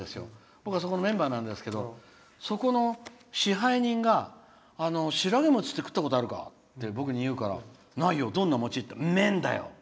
僕はそこのメンバーなんですけどそこの支配人がシラゲモチって食ったことあるかって僕に言うから、ないよどんな餅？って言ったらうめえんだよ。